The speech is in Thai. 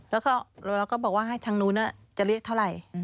แล้วก็เราก็บอกว่าให้ทางนู้นจะเรียกเท่าไหร่